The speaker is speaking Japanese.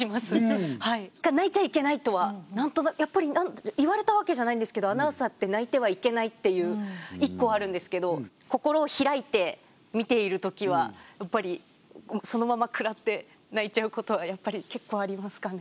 泣いちゃいけないとは何となくやっぱり言われたわけじゃないんですけどアナウンサーって泣いてはいけないっていう一個あるんですけど心を開いて見ているときはやっぱりそのまま食らって泣いちゃうことはやっぱり結構ありますかね。